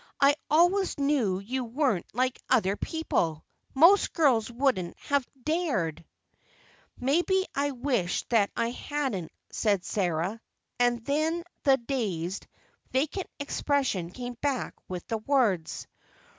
I always knew you weren't like other people; most girls wouldn't have dared." "Maybe I'll wish that I hadn't," said Sarah, and the dazed, vacant expression came back with the words.